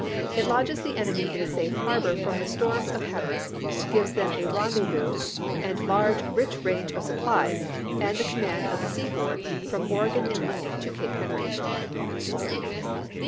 It lodges the enemy in a safe harbor of c onfJd ^ from the storms of Hatteras, gives them a rendez *^of Kqi^rlJ*^ vous, and large, rich range of supplies, and the ^^w!k\^^' command of the seaboard from Oregon Inlet to p. 188.' Cape Henry."